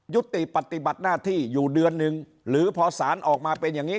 ยุติปฏิบัติหน้าที่อยู่เดือนหนึ่งหรือพอสารออกมาเป็นอย่างนี้